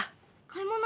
買い物？